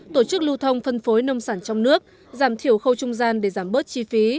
tổ chức lưu thông phân phối nông sản trong nước giảm thiểu khâu trung gian để giảm bớt chi phí